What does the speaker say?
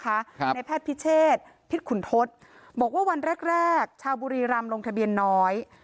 ครับในแพทย์พิเชษพิษขุนทศบอกว่าวันแรกแรกชาวบุรีรำลงทะเบียนน้อย